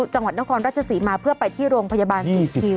จังหวัดนครราชศรีมาเพื่อไปที่โรงพยาบาลศรีคิว